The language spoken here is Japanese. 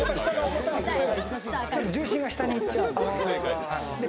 重心が下にいっちゃうんで。